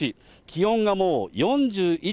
気温がもう４１．８度。